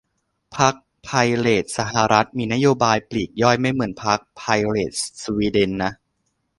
พรรคไพเรตสหรัฐมีนโยบายปลีกย่อยไม่เหมือนพรรคไพเรตสวีเดนนะ